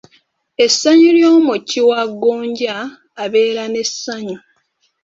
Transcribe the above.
Essanyu ly’omwoki wa gonja abeera n'essanyu.